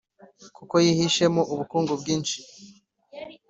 kuko yihishemo ubukungu bwinshi